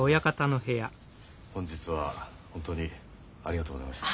本日は本当にありがとうございました。